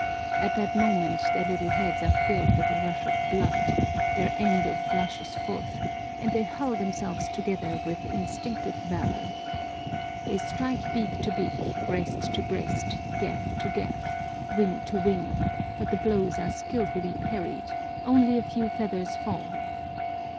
At that moment their little heads are filled with a rush of blood, their anger flashes forth, and they hurl themselves together with instinctive valor. They strike beak to beak, breast to breast, gaff to gaff, wing to wing, but the blows are skilfully parried, only a few feathers fall.